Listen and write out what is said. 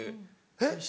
えっ？